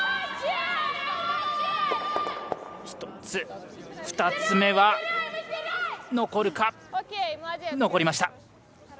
２つ目は残りました。